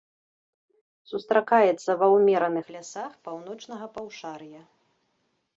Сустракаецца ва ўмераных лясах паўночнага паўшар'я.